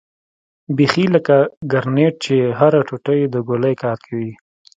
بيخي لکه ګرنېټ چې هره ټوټه يې د ګولۍ کار کوي.